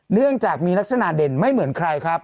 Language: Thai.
เนื่องจากมีลักษณะเด่นไม่เหมือนใครครับ